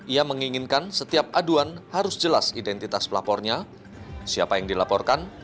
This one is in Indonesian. ia menginginkan setiap aduan harus jelas identitas pelapornya siapa yang dilaporkan